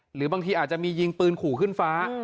หรือบางทีอาจจะมียิงปืนขู่ขึ้นฟ้า